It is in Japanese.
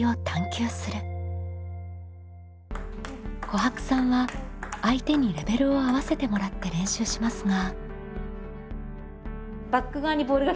こはくさんは相手にレベルを合わせてもらって練習しますが。